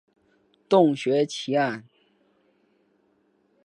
洞穴奇案。